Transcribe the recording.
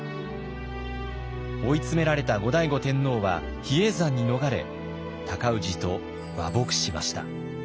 追い詰められた後醍醐天皇は比叡山に逃れ尊氏と和睦しました。